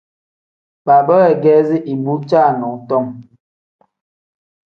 Baaba weegeezi ibu caanadom.